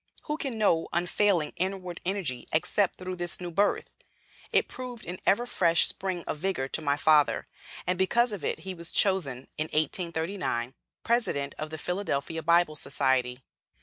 Who can know unfailing inward energy except through this new birth? It proved an ever fresh spring of vigor to my father, and because of it he was chosen, in 1839, president of "The Philadelphia Bible Society."